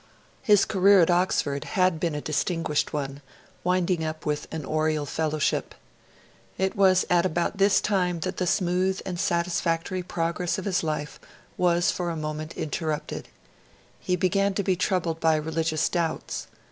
His career at Oxford had been a distinguished one, winding up with an Oriel fellowship. It was at about this time that the smooth and satisfactory progress of his life was for a moment interrupted: he began to be troubled by religious doubts.